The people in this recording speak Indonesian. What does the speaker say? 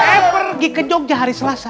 saya pergi ke jogja hari selasa